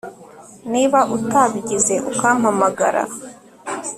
niba utabigize ukampamagara